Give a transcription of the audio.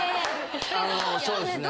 そうですね